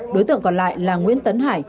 đối tượng còn lại là nguyễn tấn hải